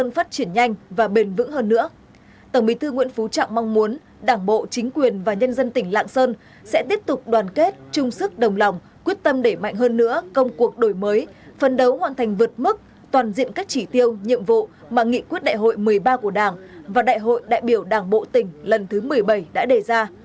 phần đấu hoàn thành vượt mức toàn diện các chỉ tiêu nhiệm vụ mà nghị quyết đại hội một mươi ba của đảng và đại hội đại biểu đảng bộ tỉnh lần thứ một mươi bảy đã đề ra